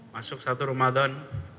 masuk satu ramadan